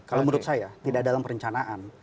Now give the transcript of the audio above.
kalau menurut saya tidak dalam perencanaan